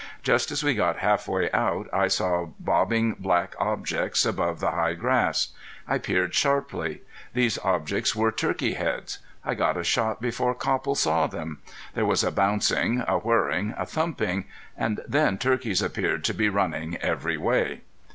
Just as we got half way out I saw bobbing black objects above the high grass. I peered sharply. These objects were turkey heads. I got a shot before Copple saw them. There was a bouncing, a whirring, a thumping and then turkeys appeared to be running every way.